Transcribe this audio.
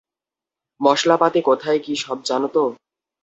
মশলাপাতি কোথায় কী সব জানো তো?